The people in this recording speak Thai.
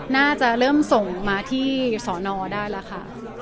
น่าจะเริ่มส่งมาที่ศนได้ละค่ะ